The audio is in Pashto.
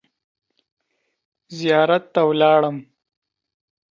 زیارت ته ولاړم.